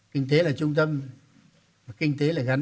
kinh tế là trung tâm kinh tế là gắn